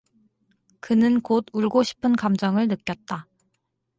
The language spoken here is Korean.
그는 곧 울고 싶은 감정을 느꼈다.